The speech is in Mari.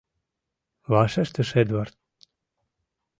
— вашештыш Эдвард.